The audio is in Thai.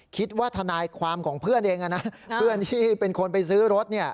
ทนายความของเพื่อนเองนะเพื่อนที่เป็นคนไปซื้อรถ